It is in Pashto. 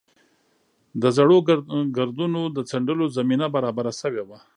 د زړو ګردونو د څنډلو زمینه برابره شوې وه.